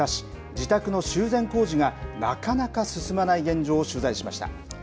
自宅の修繕工事がなかなか進まない現状を取材しました。